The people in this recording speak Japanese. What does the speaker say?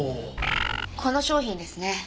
この商品ですね。